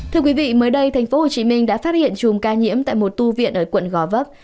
thưa quý vị mới đây tp hcm đã phát hiện chùm ca nhiễm tại một tu viện ở quận gò vấp